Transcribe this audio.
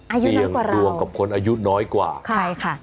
อายุน้อยกว่าเราเสี่ยงดัวกับคนอายุน้อยกว่าใช่ค่ะ